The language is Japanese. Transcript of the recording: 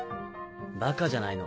ばかじゃないの？